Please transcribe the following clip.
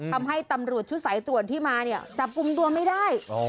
ทำให้ตำรวจชุดสายตรวจที่มาเนี่ยจับกลุ่มตัวไม่ได้